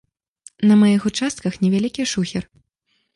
На маіх участках невялікі шухер.